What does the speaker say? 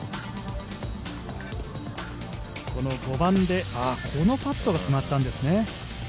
この５番で、このパットが決まったんですね。